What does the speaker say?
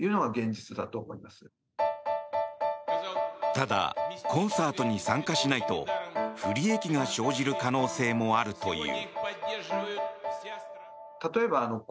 ただコンサートに参加しないと不利益が生じる可能性もあるという。